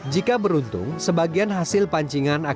jika beruntung sebagian hasil pancik ini tidak akan berhenti